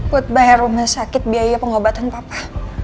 buat bayar rumah sakit biaya pengobatan papa